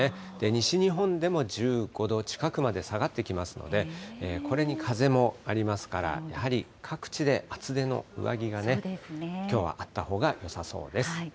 西日本でも１５度近くまで下がってきますので、これに風もありますから、やはり各地で厚手の上着がきょうはあったほうがよさそうです。